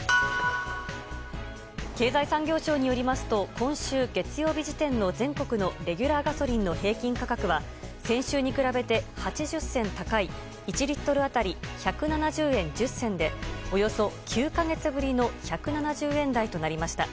経済産業省によりますと今週月曜日時点の全国のレギュラーガソリンの平均価格は先週に比べて８０銭高い１リットル当たり１７０円１０銭でおよそ９か月ぶりの１７０円台となりました。